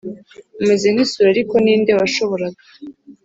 umeze nkisuri ariko ninde washoboraga